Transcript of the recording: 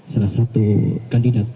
salah satu kandidat